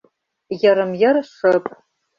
Йырым-йыр шып.